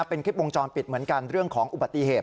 เป็นคลิปวงจรปิดเหมือนกันเรื่องของอุบัติเหตุ